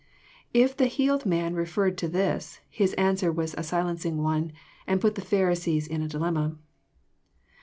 If the healed man referred to this, his answer was a silencing one, and put the Pharisees In a dilemma.